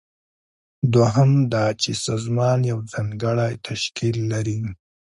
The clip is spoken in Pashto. دوهم دا چې سازمان یو ځانګړی تشکیل لري.